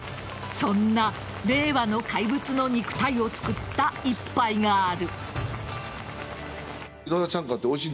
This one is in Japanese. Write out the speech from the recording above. そんな令和の怪物の肉体をつくった一杯がある。